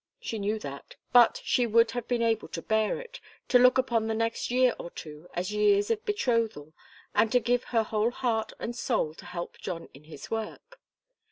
She knew that, but she would have been able to bear it, to look upon the next year or two as years of betrothal, and to give her whole heart and soul to help John in his work.